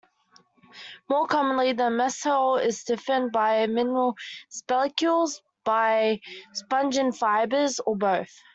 More commonly, the mesohyl is stiffened by mineral spicules, by spongin fibers or both.